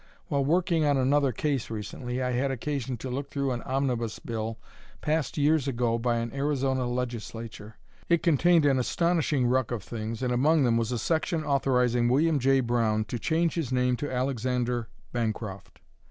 While working on another case recently I had occasion to look through an omnibus bill passed years ago by an Arizona legislature. It contained an astonishing ruck of things, and among them was a section authorizing William J. Brown to change his name to Alexander Bancroft.